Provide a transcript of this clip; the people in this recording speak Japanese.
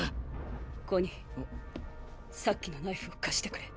コニーさっきのナイフを貸してくれ。